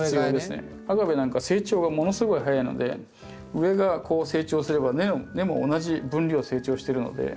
アガベなんかは成長がものすごい早いので上が成長すれば根も同じ分量成長してるので。